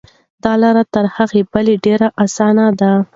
دا لاره تر هغې بلې لارې ډېره اسانه ده.